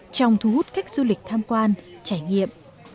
trong thu hút khách du lịch tham quan trải nghiệm